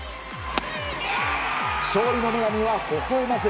勝利の女神はほほ笑まず。